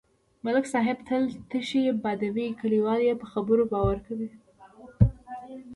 ملک صاحب تل تشې بادوي، کلیوال یې په خبرو باور کوي.